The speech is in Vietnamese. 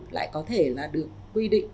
lại có thể là được quy định